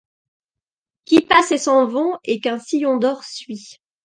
Qui passent et s’en vont et qu’un sillon d’or suit